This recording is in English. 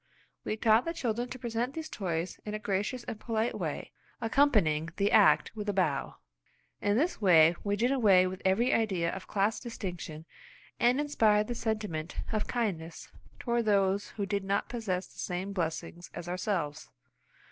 We taught the children to present these toys in a gracious and polite way, accompanying the act with a bow. In this way we did away with every idea of class distinction, and inspired the sentiment of kindness toward those who did not possess the same blessings as ourselves.